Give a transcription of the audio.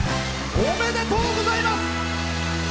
おめでとうございます。